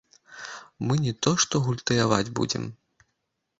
Мы не то што гультаяваць будзем.